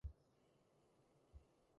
你彈琴彈得好好聽呀